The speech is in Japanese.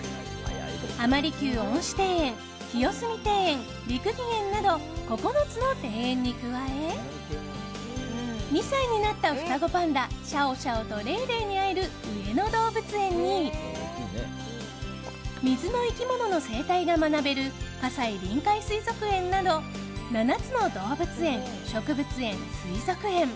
浜離宮恩賜庭園、清澄庭園六義園など９つの庭園に加え２歳になった双子パンダシャオシャオとレイレイに会える上野動物園に水の生き物の生態が学べる葛西臨海水族園など７つの動物園、植物園、水族園